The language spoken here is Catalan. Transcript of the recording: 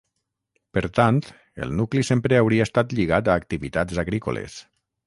Per tant, el nucli sempre hauria estat lligat a activitats agrícoles.